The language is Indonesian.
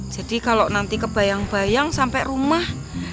jadi kalau nanti kebayang bayang sampai rumah